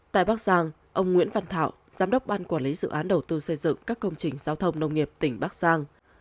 tại bắc giang ông nguyễn văn thảo giám đốc ban quản lý dự án đầu tư xây dựng các công trình giao thông nông nghiệp tỉnh bắc giang